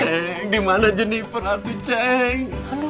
ceng di mana jeniper atuh ceng